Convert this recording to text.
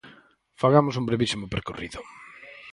Fagamos un brevísimo percorrido.